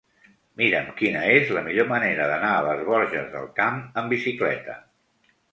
Mira'm quina és la millor manera d'anar a les Borges del Camp amb bicicleta.